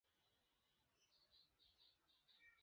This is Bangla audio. তোকে এখানে আর প্রয়োজন নেই।